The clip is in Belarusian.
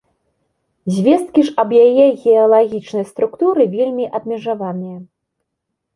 Звесткі ж аб яе геалагічнай структуры вельмі абмежаваныя.